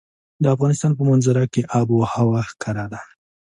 د افغانستان په منظره کې آب وهوا ښکاره ده.